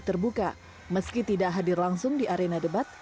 terbuka meski tidak hadir langsung di arena debat